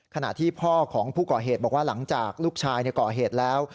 ขณะที่พ่อของผู้ก่อเหตุบอกว่าหลังจากลูกชายก่อเหตุแล้ว